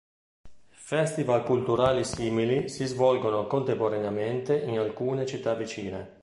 Festival culturali simili si svolgono contemporaneamente in alcune città vicine.